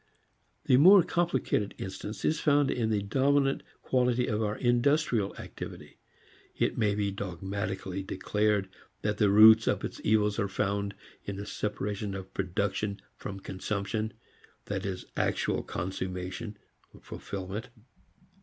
A more complicated instance is found in the dominant quality of our industrial activity. It may be dogmatically declared that the roots of its evils are found in the separation of production from consumption that is, actual consummation, fulfilment.